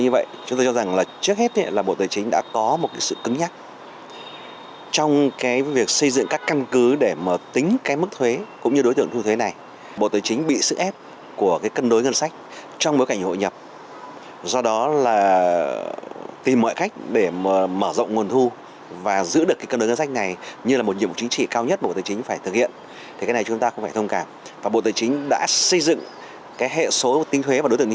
và bộ tài chính đã xây dựng hệ số tính thuế và đối tượng tính thuế để làm sao đạt được mục tiêu này